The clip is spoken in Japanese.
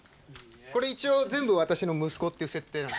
これ一応全部私の息子っていう設定なの。